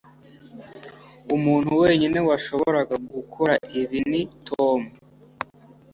umuntu wenyine washoboraga gukora ibi ni tom